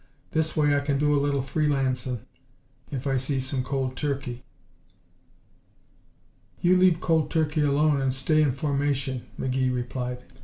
This way I can do a little free lancin' if I see some cold turkey." "You leave cold turkey alone and stay in formation," McGee replied.